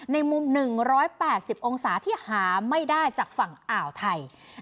ในมุม๑๘๐องศาที่หาไม่ได้จากฝั่งอ่าวไทย